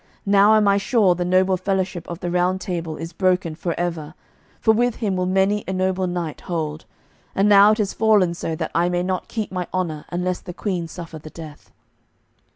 Now am I sure the noble fellowship of the Round Table is broken for ever, for with him will many a noble knight hold. And now it is fallen so that I may not keep my honour unless the Queen suffer the death."